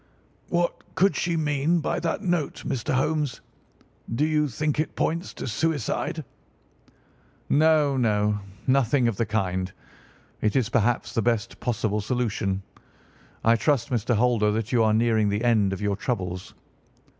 "What could she mean by that note, Mr. Holmes? Do you think it points to suicide?" "No, no, nothing of the kind. It is perhaps the best possible solution. I trust, Mr. Holder, that you are nearing the end of your troubles."